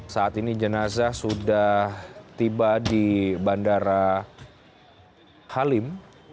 saat ini jenazah sudah tiba di bandara halim